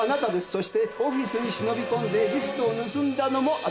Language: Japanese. そしてオフィスに忍び込んでリストを盗んだのもあなたです。